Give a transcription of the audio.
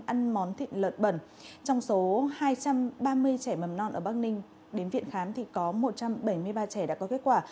ăn món thịt lợn bẩn trong số hai trăm ba mươi trẻ mầm non ở bắc ninh đến viện khám thì có một trăm bảy mươi ba trẻ đã có kết quả